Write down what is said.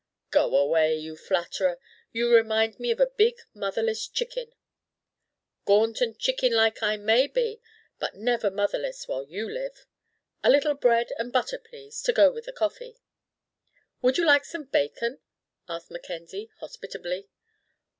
"Go away, you flatterer. You remind me of a big, motherless chicken." "Gaunt and chicken like I may be, but never motherless while you live. A little bread and butter, please, to go with the coffee." "Wouldn't you like some bacon?" asked Mackenzie, hospitably.